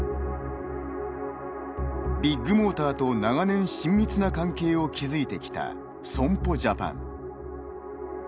ビッグモーターと長年、親密な関係を築いてきた損保ジャパン。